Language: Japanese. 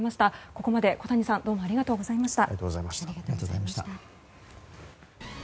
ここまで小谷さんどうもありがとうございました。